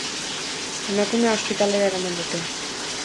Emakumea ospitalera eraman dute.